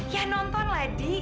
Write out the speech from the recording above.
ya nonton lah dik